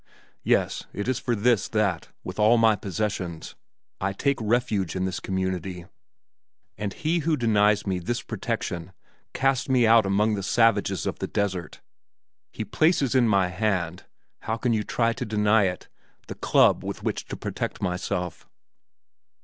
Yes, it is for this that, with all my possessions, I take refuge in this community, and he who denies me this protection casts me out among the savages of the desert; he places in my hand how can you try to deny it? the club with which to protect myself."